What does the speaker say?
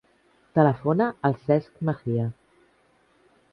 Telefona al Cesc Mejia.